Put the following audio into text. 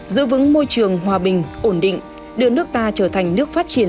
giữ vững môi trường hòa bình ổn định đưa nước ta trở thành nước phát triển